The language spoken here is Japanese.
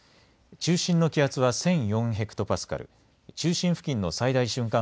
中心の気圧は１００４ｈＰａ中心付近の最大瞬間